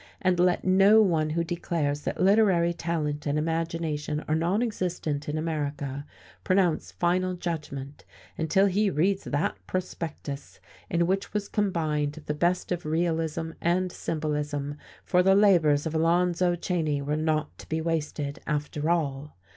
And let no one who declares that literary talent and imagination are nonexistent in America pronounce final judgment until he reads that prospectus, in which was combined the best of realism and symbolism, for the labours of Alonzo Cheyne were not to be wasted, after all.